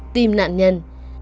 tìm nạn nhân